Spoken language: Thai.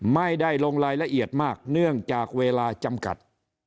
ไม่ได้ลงรายละเอียดมากเนื่องจากเวลาจำกัด